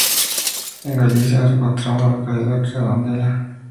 En Galicia nos encontramos la localidad de Redondela.